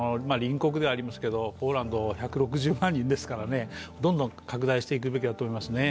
隣国ではありますけどポーランドは１６０万人ですから、どんどん拡大していくべきだと思います。